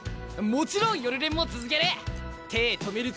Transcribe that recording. もちろん夜練も続ける！